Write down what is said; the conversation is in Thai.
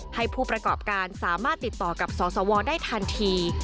ผู้ประกอบการสามารถติดต่อกับสสวได้ทันที